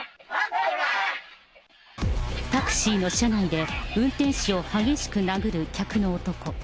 タクシーの車内で、運転手を激しく殴る客の男。